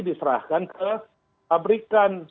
diserahkan ke pabrikan